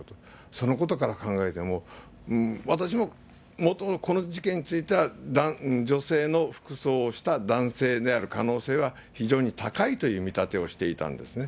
そのことから考えても、私も、この事件については、女性の服装をした男性である可能性は、非常に高いという見立てをしていたんですね。